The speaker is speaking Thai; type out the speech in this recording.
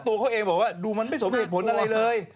ตัวเขาเองบอกว่าดูมันไม่สมเหตุผลอะไรเลย